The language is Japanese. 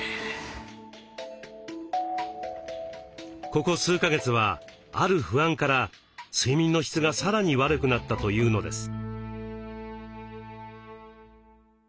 ここ数か月はある不安から睡眠の質がさらに悪くなったというのです。